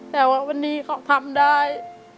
แต่ว่าวันนี้เขาทำได้